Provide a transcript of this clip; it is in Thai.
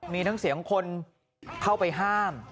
มีทั้งเสียงคนเข้าไปห้าม